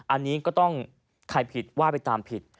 อันนี้ก็ต้องใครผิดว่าไปตามผิด